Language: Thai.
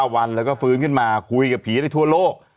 วันแล้วก็ฟื้นขึ้นมาคุยกับผีได้ทั่วโลก